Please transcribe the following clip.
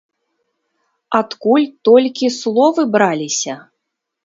Адкуль толькі словы браліся!